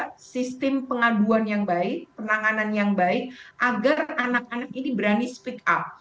jadi itu adalah sistem pengaduan yang baik penanganan yang baik agar anak anak ini berani speak up